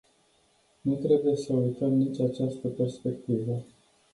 Nu trebuie să uităm nici această perspectivă.